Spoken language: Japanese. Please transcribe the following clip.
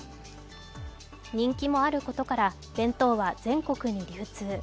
人気もあることから、弁当は全国に流通。